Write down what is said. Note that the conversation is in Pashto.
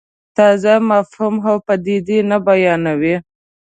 تازه مفهوم او پدیده نه بیانوي.